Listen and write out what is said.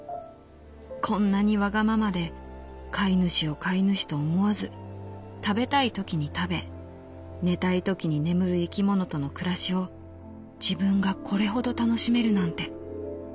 こんなにわがままで飼い主を飼い主と思わず食べたいときに食べ寝たいときに眠る生き物との暮らしを自分がこれほど楽しめるなんて。